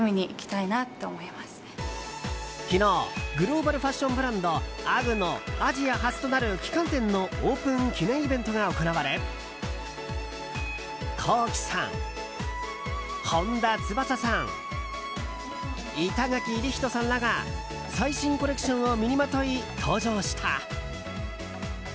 昨日、グローバルファッションブランドＵＧＧのアジア初となる旗艦店のオープン記念イベントが行われＫｏｋｉ，さん、本田翼さん板垣李光人さんらが最新コレクションを身にまとい登場した。